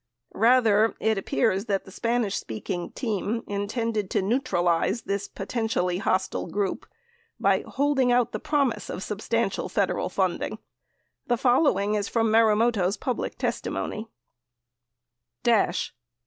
Rather, it appears that the Spanish speaking "team" intended to neutralize this potentially hostile group by holding out the promise of substantial Federal funding. The fof lowing is from Marumoto's public testimony : Dash.